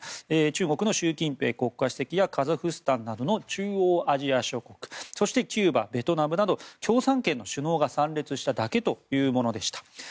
中国の習近平国家主席やカザフスタンなどの中央アジア諸国そしてキューバ、ベトナムなど共産圏の首脳が参列しただけというものでした。